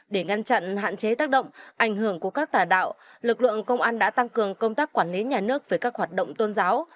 để ngăn chặn hạn chế tác động ảnh hưởng của các tà đạo lực lượng công an đã tăng cường công tác quản lý nhà nước về các hoạt động tôn giáo